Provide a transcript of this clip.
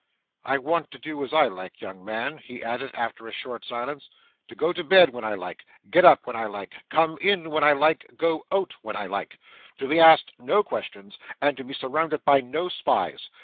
'I want to do as I like, young man,' he added after a short silence; 'to go to bed when I like, get up when I like, come in when I like, go out when I like to be asked no questions and be surrounded by no spies.